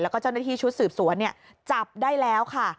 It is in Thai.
แล้วก็เจ้าหน้าที่ชุดสืบสวนจับได้แล้วค่ะ